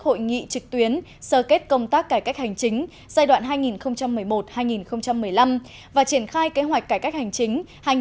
hội nghị trực tuyến sơ kết công tác cải cách hành chính giai đoạn hai nghìn một mươi một hai nghìn một mươi năm và triển khai kế hoạch cải cách hành chính hai nghìn một mươi sáu hai nghìn hai mươi